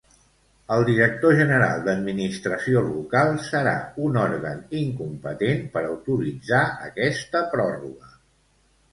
El director general d'Administració Local serà un òrgan incompetent per autoritzar aquesta pròrroga.